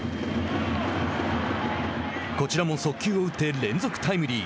こちらも速球を打って連続タイムリー。